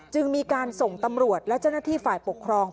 จึงมีการส่งตำรวจและเจ้าหน้าที่ฝ่ายปกครอง